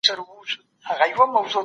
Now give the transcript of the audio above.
سياسي شعور د بريا راز دی.